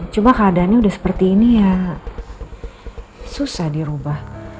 cuma keadaannya udah seperti ini ya susah dirubah